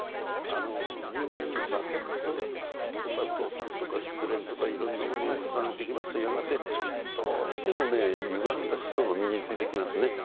人間挫折とか倒産とか失恋とかいろんなものを重ねていきますとやがてどうしてもねゆがんだ思想が身についてきますね。